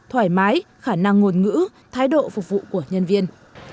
thoải mái khả năng ngôn ngữ thái độ phục vụ của nhân viên